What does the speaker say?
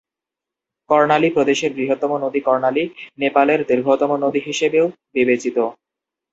কর্ণালী প্রদেশের বৃহত্তম নদী ""কর্ণালী"" নেপালের দীর্ঘতম নদী হিসেবেও বিবেচিত।